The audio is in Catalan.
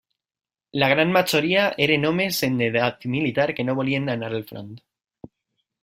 La gran majoria eren homes en edat militar que no volien anar al front.